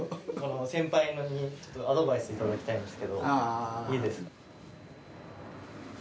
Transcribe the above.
先輩にちょっとアドバイスいただきたいんですけどいいですか？